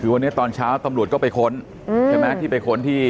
คือวันนี้ตอนเช้าตำรวจก็ไปค้นใช่ไหมที่ไปค้นที่